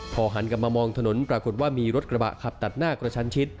พอหันกลับมามองถนนปรากฏว่ามีรถกระบะขับตัดหน้ากระชันชิด